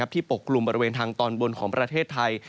ปกกลุ่มบริเวณทางตอนบนของประเทศไทย